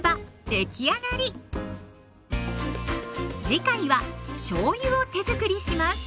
次回はしょうゆを手づくりします。